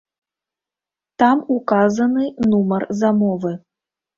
Там указаны нумар замовы.